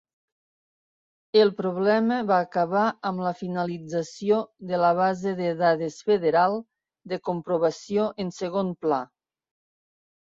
El problema va acabar amb la finalització de la base de dades federal de comprovació en segon pla.